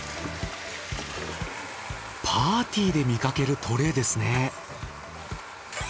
パーティーで見かけるトレーですね。